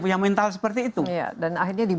punya mental seperti itu dan akhirnya di